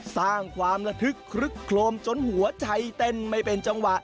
สร้างความระทึกคลึกโครมจนหัวใจเต้นไม่เป็นจังหวะ